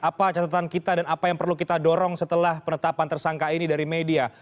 apa catatan kita dan apa yang perlu kita dorong setelah penetapan tersangka ini dari media